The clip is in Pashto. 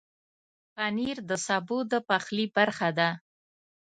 پنېر د سبو د پخلي برخه ده.